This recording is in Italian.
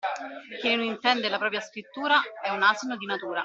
Chi non intende la propria scrittura è un asino di natura.